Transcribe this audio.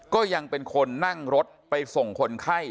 ก็ยังเป็นคนนั่งรถไปส่งคนไข้